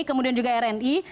kemudian juga rni